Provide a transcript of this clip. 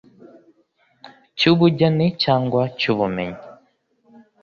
cy ubugeni cyangwa cy ubumenyi